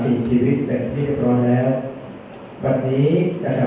ก็ขอให้ท่านล่างนั่งอยู่ที่บ้านนี้เฉพาะ